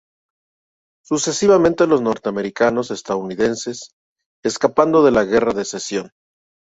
Sucesivamente los norteamericanos, -estadounidenses- escapando de la Guerra de Secesión.